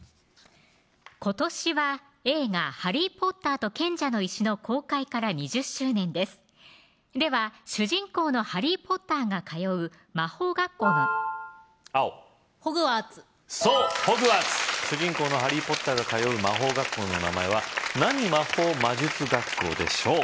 今年は映画ハリー・ポッターと賢者の石公開から２０周年ですでは主人公のハリー・ポッターが通う魔法学校の青ホグワーツそうホグワーツ主人公のハリー・ポッターが通う魔法学校の名前は「何魔法魔術学校」でしょう